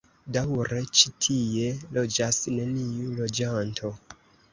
Daŭre ĉi tie loĝas neniu loĝanto.